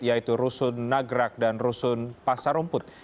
yaitu rusun nagrak dan rusun pasar rumput